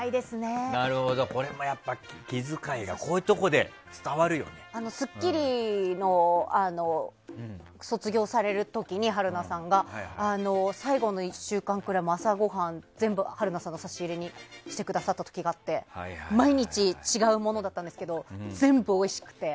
これもやっぱり気遣いが「スッキリ」の卒業される時に春菜さんが最後の１週間くらい朝ごはん全部、春菜さんが差し入れしてくださったことがあって毎日、違うものだったんですが全部おいしくて。